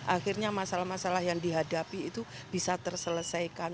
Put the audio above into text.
akhirnya masalah masalah yang dihadapi itu bisa terselesaikan